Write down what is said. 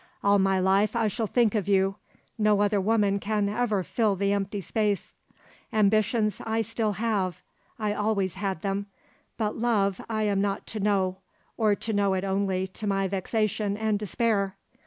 All my life I shall think of you; no other woman can ever fill the empty space. Ambitions I still have: I always had them; but love I am not to know, or to know it only to my vexation and despair.